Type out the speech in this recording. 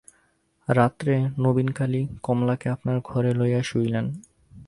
রাত্রে নবীনকালী কমলাকে আপনার ঘরে লইয়া শুইলেন।